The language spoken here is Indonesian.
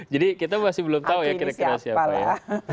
jadi kita masih belum tahu ya kira kira siapa ya